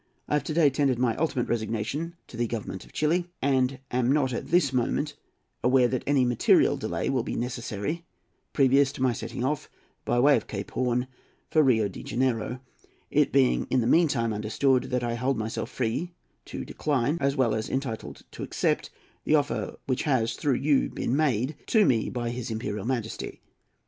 I have to day tendered my ultimate resignation to the Government of Chili, and am not at this moment aware that any material delay will be necessary previous to my setting off, by way of Cape Horn, for Rio de Janeiro; it being, in the meantime, understood that I hold myself free to decline, as well as entitled to accept, the offer which has, through you, been made to me by his Imperial Majesty.